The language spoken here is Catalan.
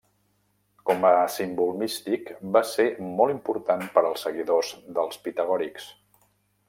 Com a símbol místic, va ser molt important per als seguidors dels pitagòrics.